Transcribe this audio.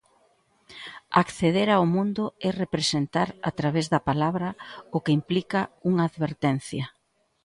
Acceder ao mundo é representar a través da palabra, o que implica unha advertencia.